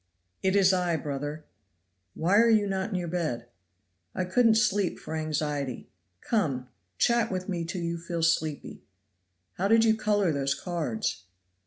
"It is I, brother." "Why are you not in your bed?" "I couldn't sleep for anxiety. Come, chat with me till you feel sleepy. How did you color those cards?"